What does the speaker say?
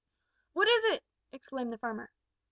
"What is it?" exclaimed the farmer.